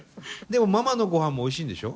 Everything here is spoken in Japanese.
でもママの御飯もおいしいんでしょ？